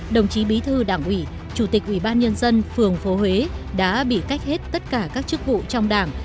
đồng chí bí thư đảng ủy chủ tịch ủy ban nhân dân phường phố huế đã bị cách hết tất cả các chức vụ trong đảng